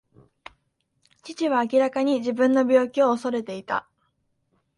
父は明らかに自分の病気を恐れていた。